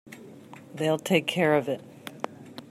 They'll take care of it.